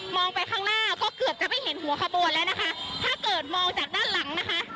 ไปข้างหน้าก็เกือบจะไม่เห็นหัวขบวนแล้วนะคะถ้าเกิดมองจากด้านหลังนะคะ